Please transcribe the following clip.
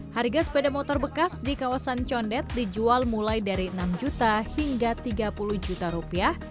harga sepeda motor bekas di kawasan condet dijual mulai dari enam juta hingga tiga puluh juta rupiah